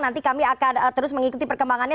nanti kami akan terus mengikuti perkembangannya